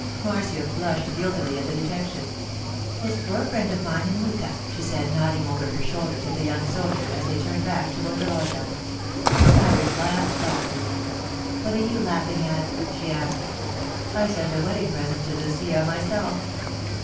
Marcia flushed guiltily at the detection. 'It's for a friend of mine in Lucca,' she said, nodding over her shoulder to the young soldier as they turned back toward the loggia. Sybert laughed softly. 'What are you laughing at?' she asked. 'I sent a wedding present to Lucia myself.